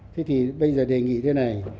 thế thì bây giờ đề nghị thế này